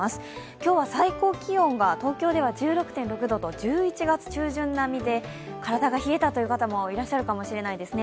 今日は最高気温が東京では１６．６度と、１１月中旬並みで体が冷えた方もいらっしゃるかもしれませんね。